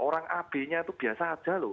orang ab nya itu biasa aja loh